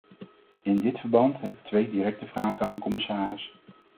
In dit verband heb ik twee directe vragen aan de commissaris.